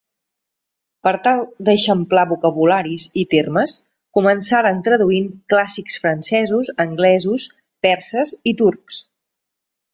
Per tal d'eixamplar vocabularis i termes, començaren traduint clàssics francesos, anglesos, perses i turcs.